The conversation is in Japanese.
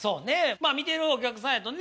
まあ見てるお客さんやとね